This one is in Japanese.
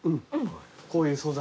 こういう素材？